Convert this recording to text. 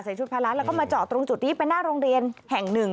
ใส่ชุดพระร้าแล้วก็มาเจาะตรงจุดนี้ไปหน้าโรงเรียนแห่ง๑